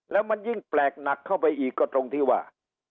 แล้วมันยิ่งแปลกหนักเข้าไปอีกก็ตรงที่ว่า